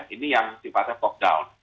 ini yang sifatnya top down